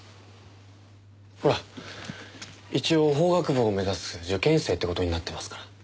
ほら一応法学部を目指す受験生っていう事になってますから。